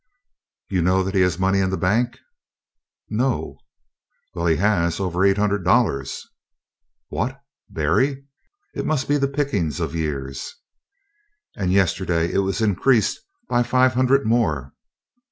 "You know that he has money in the bank?" "No." "Well, he has. Over eight hundred dollars." "What? Berry? It must be the pickings of years." "And yesterday it was increased by five hundred more."